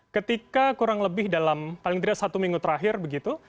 ketika kurang lebih dalam paling tidak satu minggu terakhir begitu